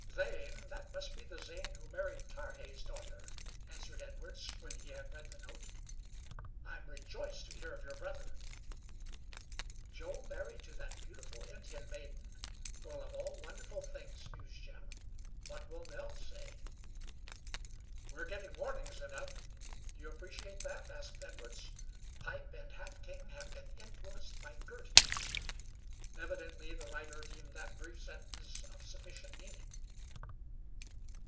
"Zane? That must be the Zane who married Tarhe's daughter," answered Edwards, when he had read the note. "I'm rejoiced to hear of your brother." "Joe married to that beautiful Indian maiden! Well, of all wonderful things," mused Jim. "What will Nell say?" "We're getting warnings enough. Do you appreciate that?" asked Edwards. "'Pipe and Half King have been influenced by Girty.' Evidently the writer deemed that brief sentence of sufficient meaning."